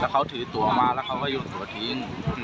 เขาถือตัวมาแล้วก็หยุดตัวทิ้ง